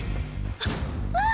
あっ！